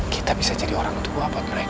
kita bisa jadi orang tua buat mereka